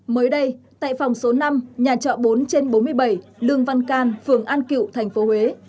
mới đây tại phòng số năm nhà trọ bốn trên bốn mươi bảy lương văn can phường an cựu tp huế